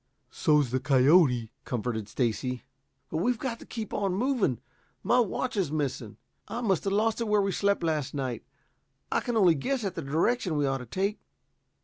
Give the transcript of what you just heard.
"So's the coyote," comforted Stacy. "But we've got to keep on going. My watch is missing. I must have lost it where we slept last night. I can only guess at the direction we ought to take.